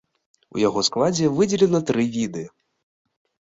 У яго складзе выдзелена тры віды.